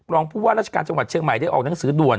รองผู้ว่าราชการจังหวัดเชียงใหม่ได้ออกหนังสือด่วน